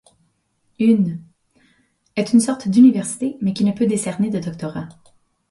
Une ' est une sorte d'université mais qui ne peut décerner de doctorats.